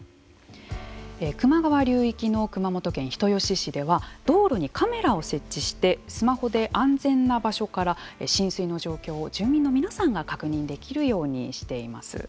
球磨川流域の熊本県人吉市では道路にカメラを設置してスマホで安全な場所から浸水の状況を住民の皆さんが確認できるようにしています。